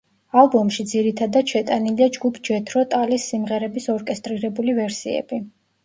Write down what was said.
ალბომში ძირითადად შეტანილია ჯგუფ ჯეთრო ტალის სიმღერების ორკესტრირებული ვერსიები.